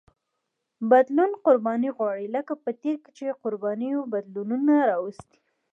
بدلون قرباني غواړي لکه په تېر کې چې قربانیو بدلونونه راوستي.